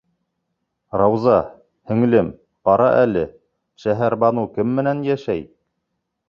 Рауза... һеңлем, ҡара әле: Шәһәрбаныу кем менән йәшәй?